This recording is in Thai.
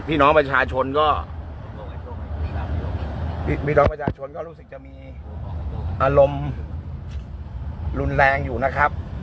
พี่น้องประชาชนก็พี่น้องประชาชนก็รู้สึกจะมีอารมณ์รุนแรงอยู่นะครับ